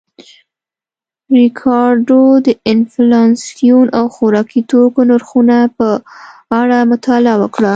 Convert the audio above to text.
ریکارډو د انفلاسیون او خوراکي توکو نرخونو په اړه مطالعه وکړه